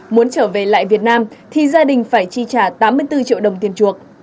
muốn trở về lại việt nam thì gia đình phải chi trả tám mươi bốn triệu đồng tiền chuộc